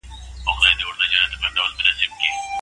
د هوټل په شنه لوحه باندې لوی توري لیکل شوي وو.